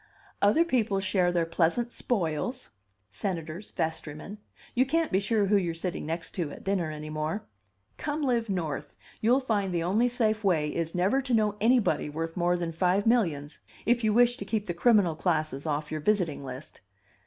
"Other people share their pleasant spoils senators, vestrymen you can't be sure who you're sitting next to at dinner any more. Come live North. You'll find the only safe way is never to know anybody worth more than five millions if you wish to keep the criminal classes off your visiting list."